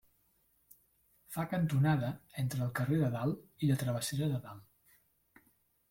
Fa cantonada entre el carrer de Dalt i la travessera de Dalt.